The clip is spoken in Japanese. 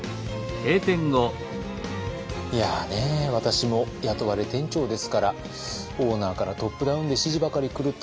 いやね私も雇われ店長ですからオーナーからトップダウンで指示ばかり来ると